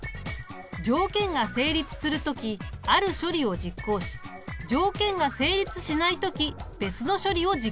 条件が成立する時ある処理を実行し条件が成立しない時別の処理を実行する。